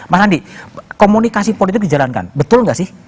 mas andi komunikasi politik dijalankan betul nggak sih